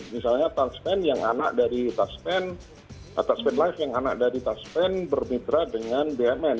misalnya pasman yang anak dari pasman life yang anak dari pasman bermitra dengan bmn